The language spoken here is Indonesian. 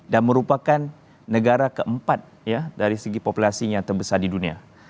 dan merupakan negara keempat ya dari segi populasi yang terbesar di dunia